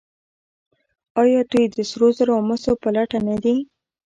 آیا دوی د سرو زرو او مسو په لټه نه دي؟